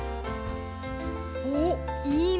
おっいいね！